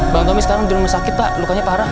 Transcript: bang tommy sekarang di rumah sakit pak lukanya parah